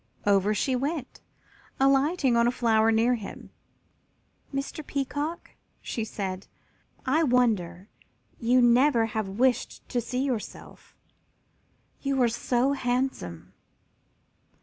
Over she went, alighting on a flower near him. "Mr. Peacock," she said, "I wonder you never have wished to see yourself, you are so handsome."